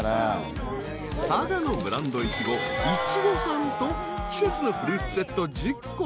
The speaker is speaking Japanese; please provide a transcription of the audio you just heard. ［佐賀のブランドイチゴいちごさんと季節のフルーツセット１０個］